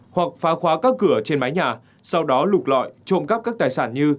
hoặc phá khóa các cửa trên mái nhà sau đó lục lọi trộm cắp các tài sản như